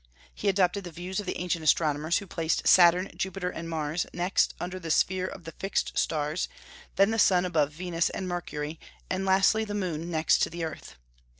He adopted the views of the ancient astronomers, who placed Saturn, Jupiter, and Mars next under the sphere of the fixed stars, then the sun above Venus and Mercury, and lastly the moon next to the earth.